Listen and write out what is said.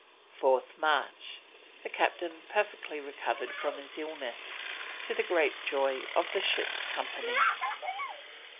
4th March: "The Captain perfectly recovered from his illness, to the great joy of the ship's company."